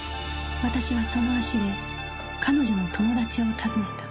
私はその足で彼女の友達を訪ねた